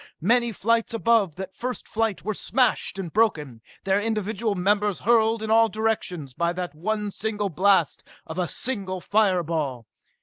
Many flights above that first flight were smashed and broken, their individual members hurled in all directions by that one single blast of a single fire ball.